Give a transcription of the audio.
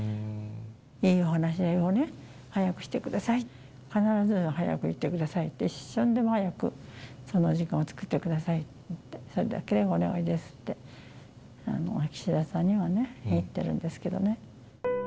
いいお話し合いをね、早くしてください、必ず早く行ってくださいって、一瞬でも早くその時間を作ってくださいって、それだけがお願いですって、岸田さんにはね、言ってるんですけどね。